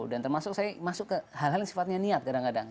dan termasuk saya masuk ke hal hal yang sifatnya niat kadang kadang